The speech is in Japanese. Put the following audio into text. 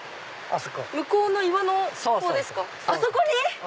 あそこに。